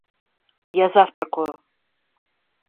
Я завтракаю.